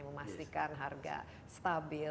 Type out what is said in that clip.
memastikan harga stabil